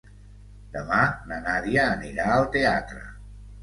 Demà na Nàdia anirà al teatre.